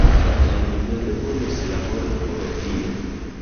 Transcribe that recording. Kaj mi vere volus labori por tio.